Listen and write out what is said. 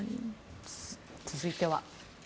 続いては。